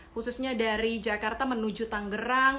khususnya dari jakarta menuju tanggerang